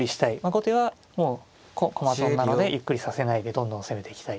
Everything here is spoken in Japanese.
後手はもう駒損なのでゆっくりさせないでどんどん攻めていきたい。